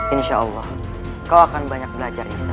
insya allah kau akan banyak belajar di sana